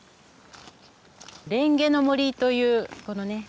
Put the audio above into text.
蓮華の森というこのね